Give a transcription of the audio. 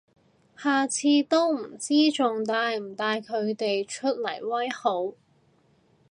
下次都唔知仲帶唔帶佢哋出嚟威好